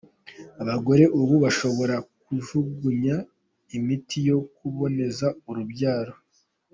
"Abagore ubu bashobora kujugunya imiti yo kuboneza urubyaro.